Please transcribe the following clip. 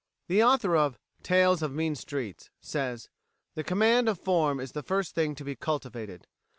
The author of "Tales of Mean Streets" says: "The command of form is the first thing to be cultivated.